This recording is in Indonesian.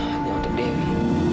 hanya untuk dewi